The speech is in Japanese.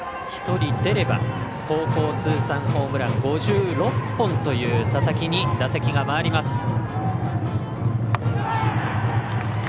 １人出れば高校通算ホームラン５６本という佐々木に打席が回ります。